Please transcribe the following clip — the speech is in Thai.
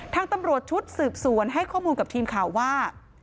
ทางตำรวจชุดสืบสวนให้ข้อมูลกับทีมข่าวว่า